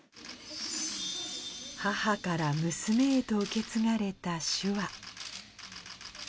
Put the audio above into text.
母から娘へと受け継がれた手話。